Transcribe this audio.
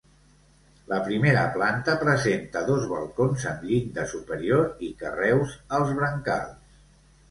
La primera planta presenta dos balcons amb llinda superior i carreus als brancals.